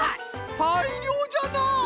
たいりょうじゃな！